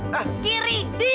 kamu berdua kanan